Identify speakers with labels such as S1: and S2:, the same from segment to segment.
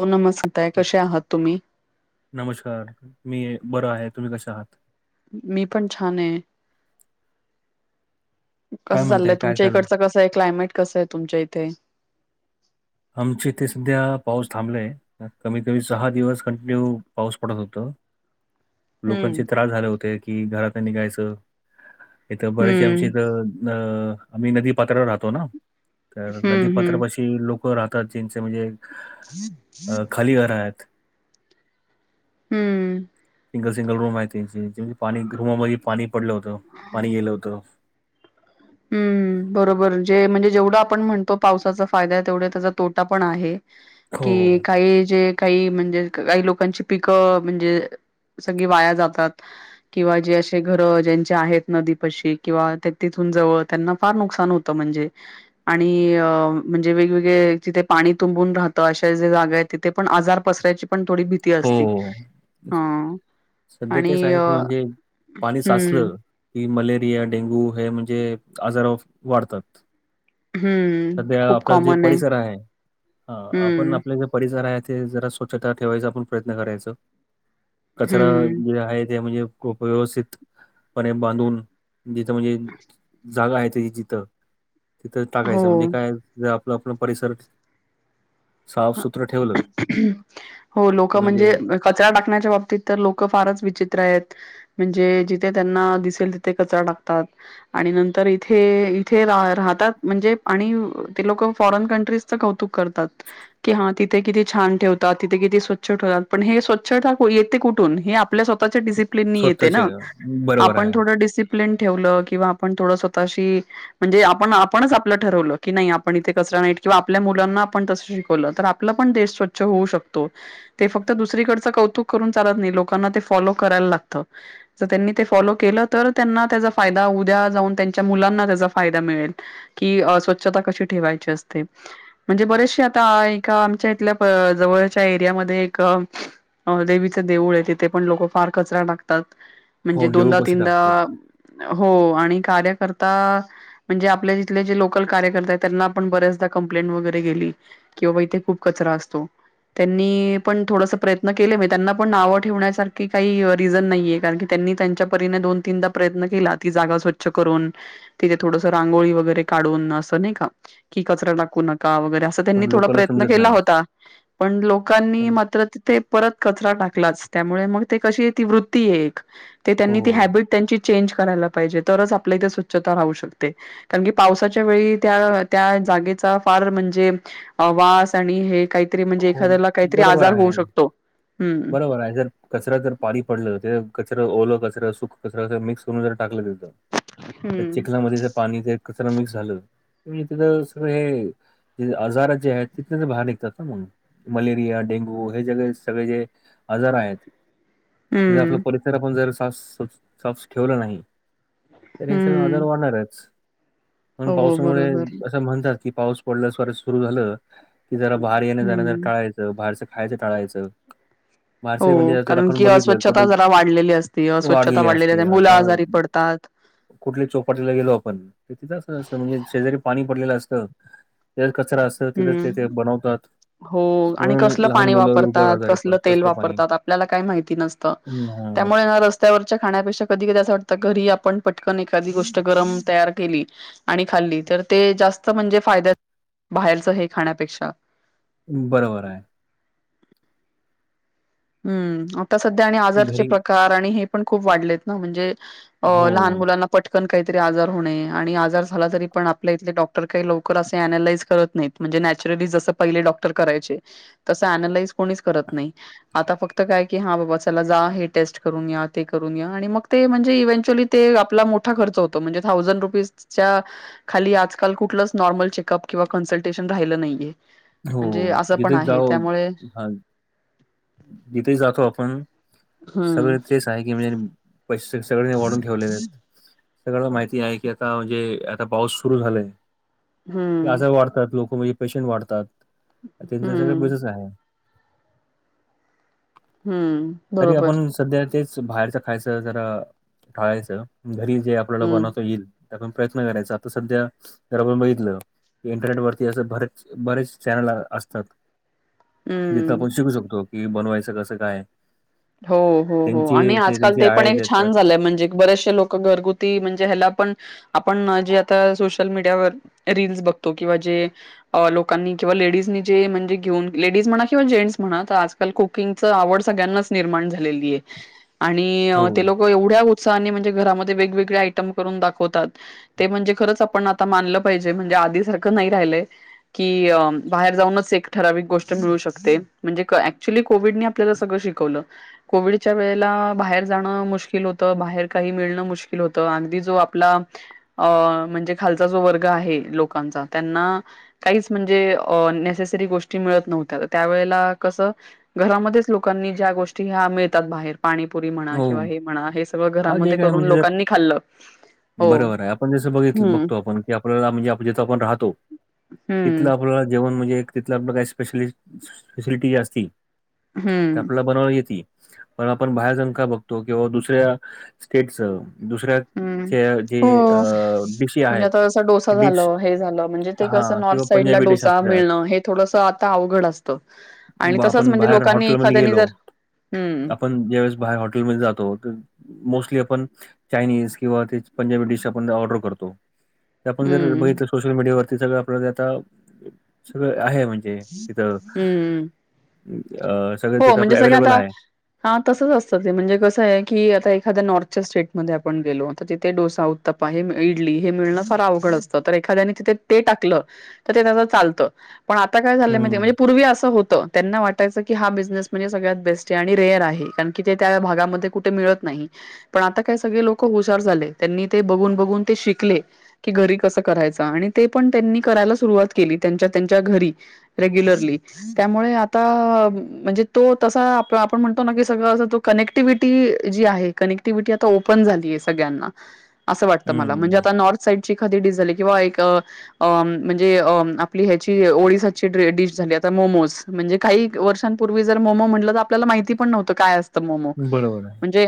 S1: हो नमस्कार ताई कसे आहात तुम्ही?
S2: नमस्कार मी बरं आहे तुम्ही कसे आहात
S1: मी पण छान आहे.
S2: काय
S1: कसं चाललंय
S2: म्हणताय? काय
S1: तुमच्या
S2: चाललंय?
S1: इकडचं कसं आहे क्लायमेट कसं आहे तुमच्या इथे?
S2: आमचे इ ते सध्या पाऊस थांबलाय कमी कमी सहा दिवस कंटिन्यू पाऊस पडत होता
S1: हम्म.
S2: लोकांचे त्रास झाले होते कि घरात नाही निघायचं इथ बऱ्याचश आमची
S1: हम्म,
S2: इथ अ आम्ही नदीपात्रावर राहतो ना तर
S1: हम्म, हम्म,
S2: नदीपात्रापाशी लोक राहतात जिनचे म्हणजे खाली घर आहेत
S1: हम्म
S2: सिंगल सिंगल रूम आहे पाणी रूमामध्ये पाणी पडलं होतं पाणी गेलं होतं
S1: हम् बरोबर जे म्हणजे जेवढा आपण म्हणतो पावसाचा फायदा आहे तेवढा त्याचा तोटा पण आहे
S2: हो.
S1: कि काही जे काही म्हणजे काही लोकांची पिकं म्हणजे सगळी वाया जातात. किंवा जे असे घर ज्यांचे आहेत नदी पशी किंवा त्या त. व त्यांना फार नुकसान होत म्हणजे आणि म्हणजे वेगवेगळे तिथे पाणी तुंबून राहतं अशा ज्या जागा आहेत. तिथे पण आजार पसरायची पण थोडी भीती
S2: हो.
S1: असती ह.
S2: सध्या तेच आहे की म्हणजे पाणी
S1: हं,
S2: साचलं. कि मलेरिया डेंगू हे म्हणजे आजार वाढतात.
S1: हं.
S2: सध्या
S1: खूप
S2: आपला जे
S1: कॉमन
S2: परिसर आहे हा आपण
S1: हं,
S2: आपले जे परिसर आहे ते जरा स्वच्छता ठेवायचा आपण प्रयत्न करायच. कचरा
S1: हं.
S2: जे आहे ते म्हणजे खूप व्यवस्थितपणे बांधून. जिथं म्हणजे जागा आहे त जिथं. तिथं
S1: हो.
S2: टाकायचं म्हणजे काय जर आपलं आपलं परिसर साफ सुत्र ठेवलं.
S1: हो लोक म्हणजे कचरा टाकण्याच्या बाबतीत तर लोक फारच विचित्र आहेत. म्हणजे जिथे त्यांना दिसेल तिथे कचरा टाकतात. आणि नंतर इथे इथे रा राहतात म्हणजे आणि ते लोक फॉरेन कंट्रीज कौतुक करतात. कि हा तिथे किती छान ठेवतात तिथ किती स्वच्छ ठेवतात पण हे स्वच्छ ये कुठून हे आपल्या स्वतःच्या स े
S2: स्वतःचे बरोबर
S1: आपण
S2: आहे.
S1: थोडं डिसिप्न ठेवलं किंवा आप थोड स्वतःशी म्हणजे आपण आपणच आपलं ठरवलं की नाही आपण इथे कचरा नाहीट किंवा आपल्या मुलांना आपण तस. तर आपला पण देश स्वच्छ होऊ शकतो. ते फक्त दुसरीकडचं कौतुक करून चालत नाही लोकांना ते फॉलो करायला लागतं. जर त्यांनी ते फॉलो केलं तर त्यांना त्याचा फायदा उद्या जाऊन त्यांच्या मुलांना त्याचा फायदा मिळेल. कि स्वच्छता कशी ठेवायची असते म्हणजे बरेचसे आता एका आमच्या इथल्या जवळच्या एरियामध्ये एक अ देवीच देऊळ आहे तिथे पण लोक फार कचरा टाकतात म्हणजे
S2: हो,
S1: दोनदा
S2: देऊळपाशी
S1: तीनदा
S2: टाकतात.
S1: हो आणि कार्यकर्ता म्हणजे आपल्या जिथले जे लोकल कार्यकर्ता त्यांना आपण बऱ्याचदा कंप्लेंट वगैरे गेली. किंवा इथे खूप कचरा असतो. त्यांनी पण थोडस प्रयत्न केले म त्यांना पण नावं ठेवण्यासारखी काही रिझन नाहीये कारण की त्यांनी त्यांच्या परीने दोन तीनदा प्रयत्न केला ती जागा स्वच्छ करून तिथे थोडस रांगोळी वगैरे काढून असं नाही का कि कचरा टाकू नका वगैरे असं.
S2: पण
S1: थोडा
S2: लोकांना
S1: प्रयत्न
S2: समजत
S1: केला
S2: नाही.
S1: होता पण लोकांनी
S2: पण
S1: मात्र तिथे परत कचरा टाकलाच त्यामुळे मग कशी ती वृत्ती आहे एक त्यांनी ती
S2: हो.
S1: हबिट त्यांची चेंज करायला पाहिजे तरच आपल्या इथे स्वच्छता राहू शकते. कारण की पावसाच्या वेळी त्या त्या जागेचा फार म्हणजे वास आणि हे काहीतरी म्हणजे
S2: हो
S1: एखाद्याला काहीतरी आजार होऊ शकतो. हम.
S2: हो जर कचरा जर पाणी पडलं ते कचरा ओलं कचरा सुखं कचरा अस मिक्स करून ज टाकलं तथं. त्या
S1: हम्म
S2: चिखलामध्ये पाणी कर मिक्स झालं सगळं हे. ज आजारात जे आहेत तिथले तर बाहेर निघतात ना मग मलेरिया डेंगू हे जगळे सगळे जे आजार आहेत जर आपला परिसर आपण जर साफ साफ ठेवलं नाही. तर हे सगळ आजार
S1: हम्म
S2: वाढणारच म्हणून
S1: हो
S2: पावसामुळे
S1: बरोबर
S2: म्हणतात की पाऊस पडल्या स्ात सुरू झाल की जरा भारी येने जाण जर
S1: हम्म
S2: टाळायच. बाहेरचं खायचं टाळायचं.
S1: हो
S2: बारसे म्हणजे जर
S1: कारण
S2: आपण
S1: की
S2: बघितलं
S1: अस्वच्छता
S2: कुठे
S1: जरा वाढलेली असते अस्वच्छता
S2: वाढली
S1: वाढलेली
S2: असते
S1: मुलं
S2: आता
S1: आजारी पडतात
S2: कुठल्या चौपाटीला गेलो आपण तिथं अस असत म्हणजे शेजारी पाणी पडलेलं असतं. जर कचरा असल तिथेच तेथे
S1: हम्म.
S2: बनवतात
S1: हो आणि
S2: म्हणून
S1: कसलं
S2: लहान
S1: पाणी
S2: मुलं लवकर
S1: वापरतात,
S2: आजारी
S1: कसलं
S2: पडतात
S1: तेल
S2: तसलं पाणी
S1: वापतात. आपल्या काही माहिती नसतं,
S2: हं हां.
S1: त्यामुळे त्या रस्त्यावरच्या खाण्यापेक्षा कधी कधी असं वाटतं घरी आपण पटकन एखादी गोष्ट गरम तयार केली. आणि खाल्ली तर ते जास्त म्हणजे फायद्या बाहेरचं हे खाण्यापेक्षा
S2: बरोबर आहे.
S1: हम्म! आता सध्या आणि आजारचे
S2: घरी
S1: प्रकार आणि हे पण खूप वाढलेत ना, म्हणजे अ
S2: हो
S1: लहान मुलांना पटकन काहीतरी आजार होणे, आणि आजार झाला तरी पण आपल्या इथले डॉक्टर काही लवकर असे ॲनलाइज करत नाहीत. म्हणजे नॅचरली जस पहिले डॉक्टर करायचे, तसं ॲनलाइज कोणीच करत नाही. आता फक्त काय की, हा बाबा चला जा हे टेस्ट करून या ते करून या, आणि मग ते म्हणजे इव्हेंच्युली ते आपला मोठा खर्च होतो, म्हणजे थाउजन रुपीजच्या खाली आजकाल कुठलंच नॉर्मल चेकअप किंवा कन्सल्टेशन राहिलं नाहीये.
S2: हो
S1: म्हणजे असं पण
S2: जिथे
S1: आहे.
S2: जाऊ
S1: त्यामुळे
S2: हा जिथे जातो आपण
S1: हम्म
S2: सगळ तेेच आहे, की म्हणजे पैसे सगळे वाढून ठेवलेलेत. सगळ्याना माहिती आहे की, आता म्हणजे आता पाऊस सुरु झालाय. की
S1: हम्म
S2: आजार वाड वाढतात लोक म्हणजे पेशंट वाढतात, त्यांचा सगळं
S1: हम्म
S2: बिझनेस आहे.
S1: हम्म!
S2: तरी
S1: बरोबर.
S2: आपण सध्या तेच बाहेरच खायचं जरा टाळायचं, घरी जे आपल्याला
S1: हं,
S2: बनवता येईल त्यातून प्रयत्न करायचा, आता सध्या जर आपण बघितलं की इंटरनेट वरती असं बरेच बरेच चॅनल असतात, जिथ
S1: हं.
S2: आपण शिकू शकतो, कि बनवायचं कसं काय?
S1: हो हो हो
S2: त्यांचे
S1: आणि आजकाल
S2: त्यांचे
S1: ते पण
S2: आळे
S1: एक
S2: देतात
S1: छान झालंय, म्हणजे बरेशे लोक घरगुती म्हणजे, हेला पण आपण जे आता सोशल मीडियावर रीलस् बघतो, किंवा जे अ लोकांनी किंवा लेडीजनी जे म्हणजे, घेऊन लेडीज म्हणा किंवा जेन्स म्हणा तर आज काल कुकिंगचं आवड सगळ्यांनाच निर्माण झालेलीय आणि
S2: हो
S1: ते लोक एवढ्या उत्साहाने म्ह घरामध्ये वेगवेगळे आयटम करून दाखवतात. ते म्हणजे खरंच आपण आता मानलं पाहिजे, म्हणजे आधी सारखं नाही राहिलंय. की अ बाहेर जाऊनच एक ठराविक गोष्ट मिळू शकते, म्हणजे क ॲ अँक्च्युली कोविडने आपल्याला सगळ शिकवलं. कोविडच्या वेळेला बाहेर जाणं मुश्किल होतं, बाहेर काही मिळणं मुश्कि मुश्किल होत, अगदी जो आपला अ म्हणजे खालचा जो वर्ग आहे, लोकांचा त्यांना काहीच म्हणजे अ नेसेसरी गोष्टी मिळत नव्हत्या, त्यावेळेला कसं? घरामध्येच लोकांनी ज्या गोष्टी ह्या मिळतात, बाहेर पाणीपुरी म्हणा,
S2: हो
S1: किंवा हे म्हणा हे सगळं
S2: हा जे
S1: घरामध्ये
S2: काय
S1: करून
S2: म्हणजे जर
S1: लोकांनी खाल्लं. हो
S2: बरोबर आहे. आपण जसं बघितल
S1: हम्म
S2: बघतो, आपण की आपल्याला म्हणजे जिथ आपण राहतो
S1: हम्म
S2: तिथलं आपल्याला जेवण म्हणजे एक तिथलं आपलं काही स्पेशलिस्ट स्पेसिलिटी जे असती ते
S1: हम्म
S2: आपल्याला बनवण्यात येेती पण आपण बाहेर जाऊन काय बघतो? किंवा दुसऱ्या स्टेटच
S1: हम हो
S2: डिशी
S1: म्हणजे,
S2: आहेत,
S1: आता ज डोसा
S2: डिश
S1: झालं, हे झालं म्हणजे ते कस
S2: हां किंवा
S1: नॉर्थ साईडला
S2: पंजाबी डिश
S1: डोसा
S2: असल्या,
S1: मिळणं, हे थोडस आता अवघड असतं. आणि
S2: बा-
S1: तसंच
S2: आपण
S1: म्हणजे,
S2: बाहेर
S1: लोकांनी
S2: हॉटेलमध्ये
S1: एखाद्यानी
S2: गेलो
S1: जर हम्म
S2: आपण ज्यावेेळेस बाहेर हॉटेलमध्ये जातो, तर मोस्टली आपण चायनीज किंवा ते पंजाबी डिश आपण ऑर्डर करतो. ते आपण जर
S1: हम्म
S2: बघितलं सोशल मीडिया वरती सगळं आपल्या आता सगळं आहे म्हणजे हे तिथ
S1: हम्म
S2: अ सगळं
S1: हो,
S2: तिथं आपलं
S1: म्हणजे सगळ्या
S2: अवेलेबल
S1: आता
S2: आहे.
S1: हा तसंच असतं ते म्हणजे कसं आहे, की आता एखाद्या नॉर्थच्या स्टेटमध्ये आपण गेलो, तर तिथे डोसा उ उत्तपा, इडली हे मिळणं फार अवघड असतं तर, एखाद्याने तिथे ते टाकलं तर ते त्याचं चालतं, पण आता काय झालं माहितेय?
S2: हं,
S1: म्हणजे पूर्वी असं होतं त्यांना वाटायचं की हा बिझनेस म्हणजे सगळ्यात बेस्ट आहे, आणि रेअर आहे कारण की, ते त्या भागामध्ये कुठे मिळत नाही. पण आता काय सगळे लोक हुशार झाले त्यांनी ते बघून बघून ते शिकले. की घरी कसं करायच? आणि ते पण त्यांनी करायला सुरुवात केली त्यांच्या त्यांच्या घरी. रेग्युलरली त्यामुळे आता म्हणजे तो तसा आ आपण म्हणतो ना की सगळं तो कनेक्टिव्हटी जी आहे कनेक्टिव्हिटी आता ओपन झाली आहे सगळ्यांना.
S2: [inaudible]
S1: असं वाटतं मला म्हणजे
S2: हं.
S1: आता नॉर्थ साईडची एखादी डिश झाली किंवा एक अ अ म्हणजे अ आपली ह्याची ओडिसाची डे डिश झाली आता मोमोज म्हणजे काही वर्षां पूर्वी जर मोमो म्हटल तर आपल्याला माहिती पण नव्हतं काय असतं मोमो
S2: बरोबर आहे,
S1: म्हणजे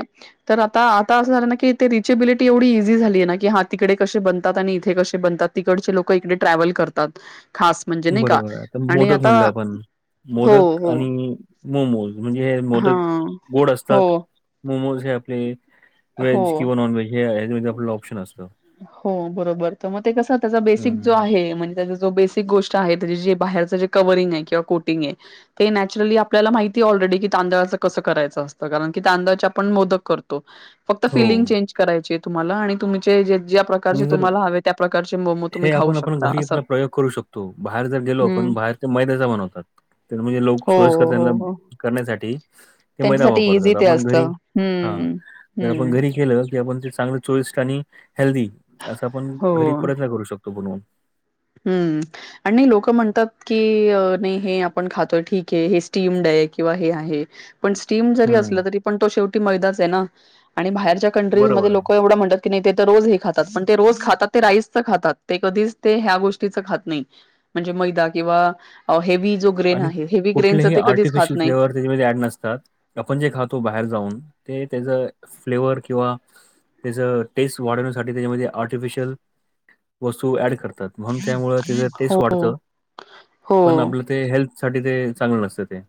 S1: तर आता आता असं झालं ना की ते रिचेबिलिटी एवढी इझी झाली आहे ना की, हा तिकडे कसे बनतात? आणि इथे कसे बनतात? तिकडचे लोक इकडे ट्रॅव्हल करतात खास म्हणजे नाही का
S2: बरोबर आहे, तर
S1: आणि
S2: मोदक
S1: आता
S2: म्हणलं आपण
S1: हो
S2: मोदक
S1: हो
S2: आणि मोमोज म्हणजे हे
S1: हा
S2: मोदक गोड
S1: हो
S2: असतात. मोमोज हे आपले
S1: हो
S2: व्हेज किंवा नॉनव्हेज हे आहे यांच्यामध्ये आपल्याला ऑप्शन असतात.
S1: हो बरोबर तर मग ते कस, त्याचा बेसिक
S2: हं,
S1: जो आहे म्हणजे त्या जो बेस एक गोष्ट आहे जे बाहेरच जे कवरिंग ये किंवा कोटिंग ये ते नॅचरली आपल्याला माहिती ऑलरेडी की तांदळाच कसं करायचं असतं, कारण की तांदळाचे आपण मोदक करतो. फक्त
S2: हो.
S1: फिलिंग चेंज करायची आहे तुम्हाला आणि तुमचे जे ज्या प्रकारचे
S2: निदान
S1: तुम्हाला हवे त्या प्रकारचे मोमो
S2: हे
S1: तुम्ही खाऊ
S2: आपण आपण
S1: शकता
S2: घरी
S1: असं
S2: आपला प्रयोग करू शकतो बाहेर जर गेलो
S1: हम्म
S2: आपण बाहेर मैद्याचा बनवतात म्हणजे लोक
S1: हो
S2: सोयस्कर
S1: हो
S2: त्यांना
S1: हो
S2: करण्यासाठी ते मैदा
S1: त्यांच्यासाठी इझी
S2: वापरतात,
S1: ते
S2: आपणास घरी
S1: असतं
S2: हा
S1: हम्म
S2: जर आपण
S1: हम्म
S2: घरी केलं की आपण ते चांगल चविष्ट आणि हेल्दी असं आपण घरी प्रयत्न करू शकतो बनवून
S1: हम्म. आणि नाही लोक म्हणतात की नाही हे आपण खातोय ठीक आहे. हे स्टीम्ड आहे किंवा हे आहे पण स्टीम जरी
S2: हं.
S1: असल तरी पण तो शेवटी मैदाच आहे ना आणि बाहेरच्या कंट्रीज
S2: बरोबर
S1: मध्ये
S2: आहे.
S1: लोक एवढं म्हणतात की नाही ते तर रोज हे खातात, पण ते रोज खातात ते राईसच खातात ते कधीच ते ह्या गोष्टी चुकीचं खात नाही, म्हणजे मैदा किंवा हेवी जो ग्रेन
S2: आणि
S1: आहे हेवी ग्रेन
S2: कुठलेही
S1: ते कधीच खात
S2: आर्टिफिशियल
S1: नाही.
S2: फ्लेवर त्याच्यामध्ये ऍड नसतात, आपण जे खातो बाहेर जाऊन ते त्याच फ्लेवर किंवा त्याच टेस्ट वाढवण्यासाठी त्याच्यामध्ये आर्टिफिशल वस्तू ऍड करतात. म्हणून त्यामुळ त्याचं टेस्ट
S1: हो,
S2: वाढत पण
S1: हो.
S2: आपलं ते हेल्थ साठी ते चांगलं नसते ते.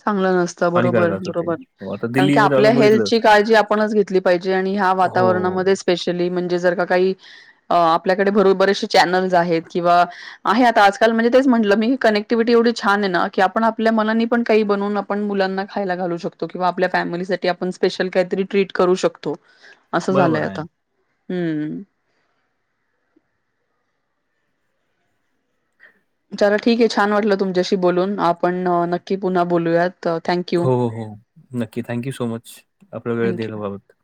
S1: चांगलं नसत
S2: हानिकारक
S1: बरोबर
S2: असतं ते.
S1: बरोबर.
S2: हो आता
S1: कारण
S2: दिल्ली
S1: की
S2: जर
S1: आपल्या
S2: आपण बघितलं
S1: हेल्थची काळजी आपणच घेतली पाहिजे आणि ह्या
S2: हो
S1: वातावरणामध्येच स्पेशली म्हणजे जर का काही अ आपल्याकडे भ बरेचशे चॅनल्स आहेत किंवा आहेत आता आजकाल म्हणजे तेच म्हटलं मी कनेक्टिव्हिटी एवढी छान आहे ना, की आपण आपल्या मनानी पण काही बनून आपण मुलांना खायला घालू शकतो किंवा आपल्या फॅमिलीसाठी आपण स्पेशल काहीतरी ट्रीट करू शकतो.
S2: [inaudible]
S1: अस झालंय
S2: आहे.
S1: आता हम्म. चला ठीक आहे. छान वाटलं तुमच्याशी बोलून आपण नक्की पुन्हा बोलूयात. अ, थँक यू.
S2: हो हो हो नक्की थँक्यू सो मच आपला
S1: थँक
S2: वेळ
S1: यू.
S2: दिल्याबाबत.